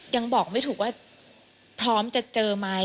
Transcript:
ยังบอกไม่ถูกว่าพร้อมจะเจอไหม